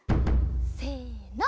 せの。